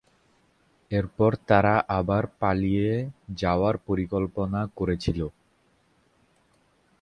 এর পর তারা আবার পালিয়ে যাওয়ার পরিকল্পনা করেছিল।